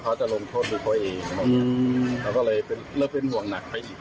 เราก็เลยเริ่มห่วงหนักไปอีก